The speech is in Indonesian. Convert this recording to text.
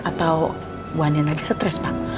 atau bu andin lagi stres pak